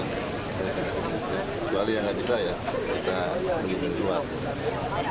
kecuali ya nggak bisa ya kita jual